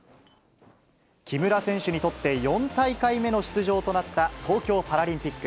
木村選手にとって４大会目の出場となった東京パラリンピック。